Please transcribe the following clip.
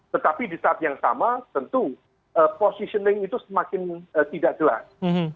tetapi di saat yang sama tentu positioning itu semakin tidak jelas